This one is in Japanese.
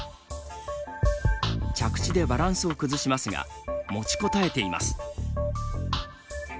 着地でバランスを崩しますが持ちこたえています。